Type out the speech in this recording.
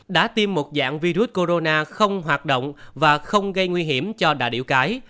đã tiêm một dạng virus corona không hoạt động và không gây nguy hiểm cho đà điểu cái